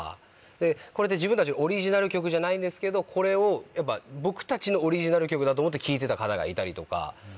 これ自分たちのオリジナル曲じゃないんですけどこれを僕たちのオリジナル曲だと思って聴いてた方がいたりとか。